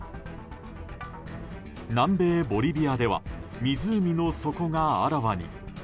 南米ボリビアでは湖の底があらわに。